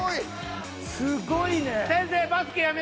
すごいね。